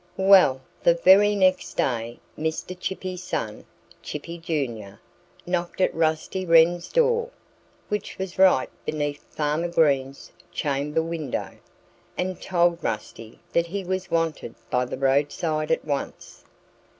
Well, the very next day Mr. Chippy's son, Chippy, Jr., knocked at Rusty Wren's door (which was right beneath Farmer Green's chamber window) and told Rusty that he was wanted by the roadside at once.